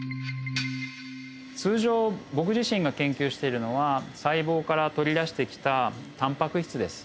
通常僕自身が研究してるのは細胞から取り出してきたタンパク質です。